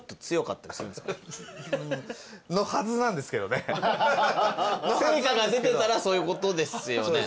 例えば。成果が出てたらそういうことですよね。